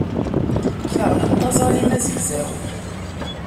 Keṛhent aẓalim azegzaw.